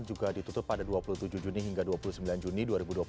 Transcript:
juga ditutup pada dua puluh tujuh juni hingga dua puluh sembilan juni dua ribu dua puluh